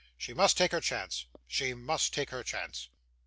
'She must take her chance. She must take her chance.